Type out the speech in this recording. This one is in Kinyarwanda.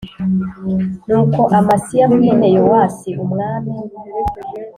Nuko Amasiya mwene Yowasi umwami